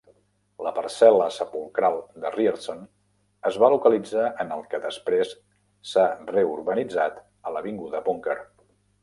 La parcel·la sepulcral de Rierson es va localitzar en el que després s'ha reurbanitzat a l'avinguda Bunker.